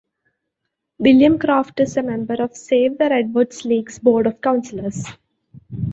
William Croft is a member of Save-the-Redwoods League's Board of Councillors.